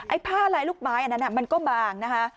ผ้าลายลูกไม้อันนั้นมันก็บางนะคะ